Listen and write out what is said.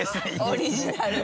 オリジナルで。